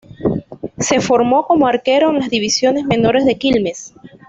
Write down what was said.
Se formó como arquero en las divisiones menores de Quilmes.